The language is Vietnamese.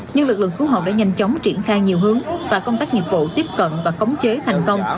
nhưng lực lượng cứu hộ đã nhanh chóng triển khai nhiều hướng và công tác nghiệp vụ tiếp cận và khống chế thành công